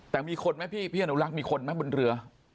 แต่มีคนไหมพี่พี่อนุรักษ์มีคนไหมบนเรือ